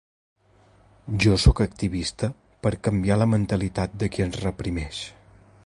Jo sóc activista per a canviar la mentalitat de qui ens reprimeix.